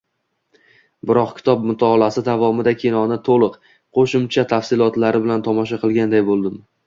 Biroq kitob mutolaasi davomida kinoni toʻliq, qoʻshimcha tafsilotlari bilan tomosha qilganday boʻldim